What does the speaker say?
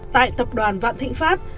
tại tập đoàn vạn thịnh pháp